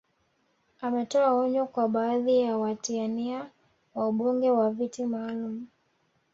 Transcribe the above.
Ametoa onyo kwa baadhi ya watia nia wa ubunge wa viti maalum